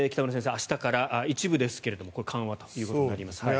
明日から一部ですけれども緩和ということになります。